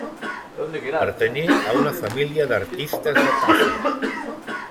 Pertanyé a una família d'artistes de Tassos.